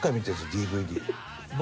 ＤＶＤ。